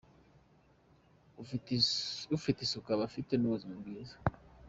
Ufite isuku aba afite n’ubuzima bwiza